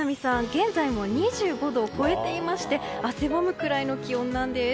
現在も２５度を超えていまして汗ばむくらいの気温なんです。